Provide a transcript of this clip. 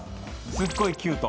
すっごいキュート？